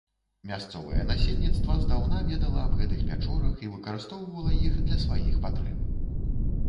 Мясцовае насельніцтва здаўна ведала аб гэтых пячорах і выкарыстоўвала іх для сваіх патрэб.